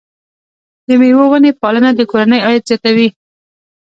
د مېوو ونې پالنه د کورنۍ عاید زیاتوي.